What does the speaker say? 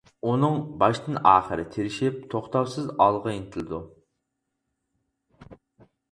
ئۇنىڭ باشتىن-ئاخىرى تىرىشىپ، توختاۋسىز ئالغا ئىنتىلىدۇ.